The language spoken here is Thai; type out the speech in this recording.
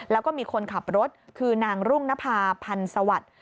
แล้วก็มีคนขับรถคือนางรุ่งนภาพันธ์สวัสดิ์